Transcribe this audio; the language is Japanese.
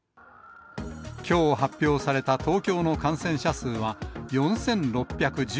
きょう発表された東京の感染者数は４６１９人。